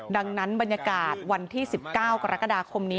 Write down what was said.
ดังนั้นบรรยากาศวันที่๑๙กรกฎาคมนี้